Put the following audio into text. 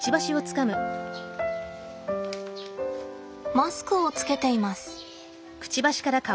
マスクをつけています。